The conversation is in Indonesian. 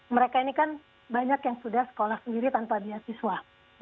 mereka ini kan banyak yang sudah sekolah sendiri tanpa beasiswa